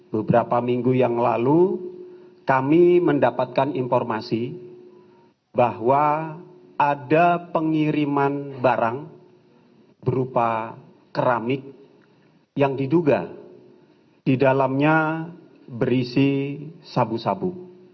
beberapa minggu yang lalu kami mendapatkan informasi bahwa ada pengiriman barang berupa keramik yang diduga di dalamnya berisi sabu sabu